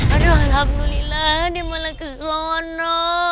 aduh alhamdulillah dia malah kesana